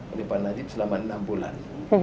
dari pak najib selama enam bulan